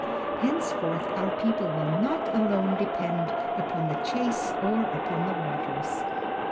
Henceforth our people will not alone depend upon the chase or upon the waters."